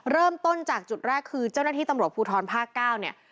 เริ่มต้นจากจุดแรกคือเจ้าหน้าที่ตำรวจภูทรภาค๙เนี่ย